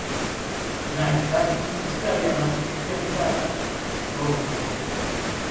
Nagasaki es el área más cristianizada de todo Japón.